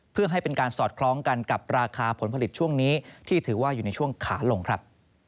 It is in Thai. เพื่อให้เป็นการสอดคล้องกันกับราคาผลผลิตช่วงนี้ที่ถือว่าอยู่ในช่วงขาลงครับ